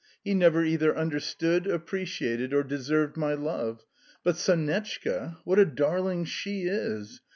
"He never either understood, appreciated, or deserved my love. But Sonetchka! What a darling SHE is!